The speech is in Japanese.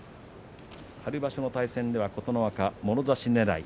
春場所の対戦では琴ノ若もろ差しねらい。